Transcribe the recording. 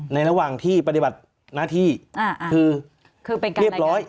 ในระหว่างที่ปฏิบัติหน้าที่คือเรียบร้อย